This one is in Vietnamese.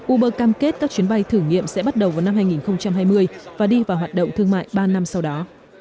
uber cam kết các chuyến bay thử nghiệm sẽ bắt đầu vào năm hai nghìn hai mươi và đi vào hoạt động thương mại ba năm sau đó